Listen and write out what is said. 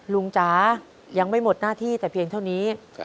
จ๋ายังไม่หมดหน้าที่แต่เพียงเท่านี้